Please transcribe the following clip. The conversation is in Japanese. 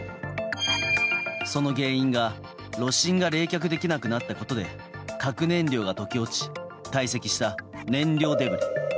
その原因が炉心が冷却できなくなったことで核燃料が溶け落ち堆積した燃料デブリ。